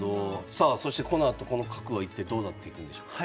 さあそしてこのあとこの角は一体どうなっていくんでしょうか。